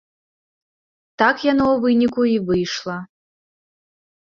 Так яно ў выніку і выйшла.